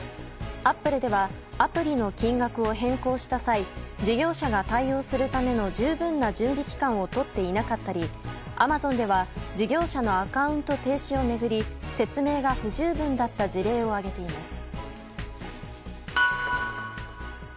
アップルではアプリの金額を変更した際事業者が対応するための十分な準備期間をとっていなかったりアマゾンでは事業者のアカウント停止を巡り説明が不十分だった事例を挙げています。